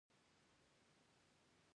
تاسو له کفارو سره دوستي کړې ده.